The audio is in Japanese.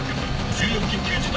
重要緊急事態発生。